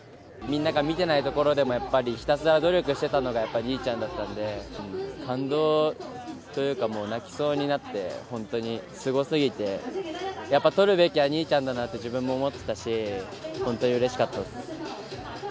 みんなが見ていないところでもやっぱりひたすら努力していたのが兄ちゃんだったので、感動をというか泣きそうになって、すごすぎて、やっぱ取るべきは兄ちゃんだなって、自分も思っていたし、本当にうれしかったっす。